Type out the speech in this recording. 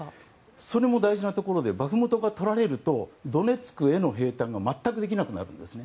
それも大事なところでバフムトがとられるとドネツクへの兵站も全くできなくなるんですね。